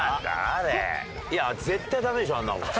いや絶対ダメでしょあんなもん。